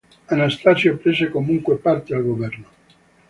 Anastasio prese comunque parte al governo.